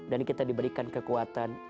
dan kita diberikan kekuatan